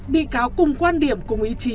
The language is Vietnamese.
bị cáo cùng quan điểm cùng ý chí